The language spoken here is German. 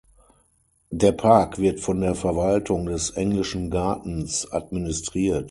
Der Park wird von der Verwaltung des Englischen Gartens administriert.